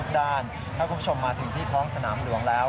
ด้านถ้าคุณผู้ชมมาถึงที่ท้องสนามหลวงแล้ว